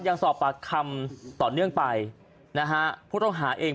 ยังสอบปากคำต่อเนื่องไปนะฮะผู้ต้องหาเอง